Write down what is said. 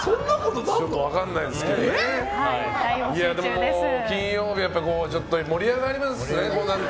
でも金曜日は盛り上がりますね。